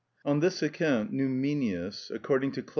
On this account Numenius (according to Clem.